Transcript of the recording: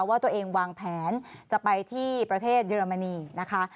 ว่าตัวเองวางแผนจะไปที่ประเทศเยอรมนีนะคะ